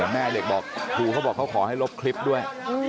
แม่เด็กบอกครูเขาบอกเขาขอให้ลบคลิปด้วย